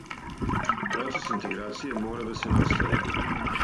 Процес интеграције мора да се настави.